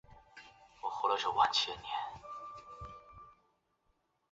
天会十一年有功。